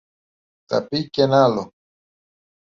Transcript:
Θα πει κι ένα άλλο